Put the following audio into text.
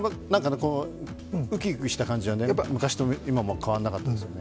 ウキウキした感じは昔と今も変わらなかったですよね。